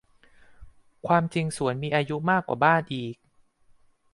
ความจริงสวนมีอายุมากกว่าบ้านอีก